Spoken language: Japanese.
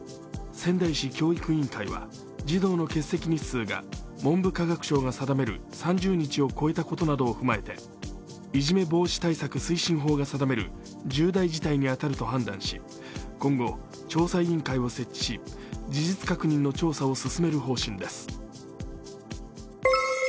仙台市教育委員会は、児童の欠席日数が文部科学省が定める３０日を超えたことなどを踏まえていじめ防止対策推進法が定める重大事態に当たると判断し、今後、調査委員会を設置、事実確認の調査を進める方針です。